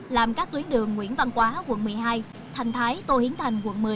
làm các tuyến đường nguyễn văn quá quận một mươi hai thành thái tô hiến thành quận một mươi